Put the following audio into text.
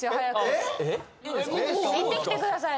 いってきてください